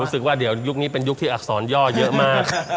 รู้สึกว่าเดี๋ยวยุคนี้เป็นยุคที่อักษรย่อเยอะมาก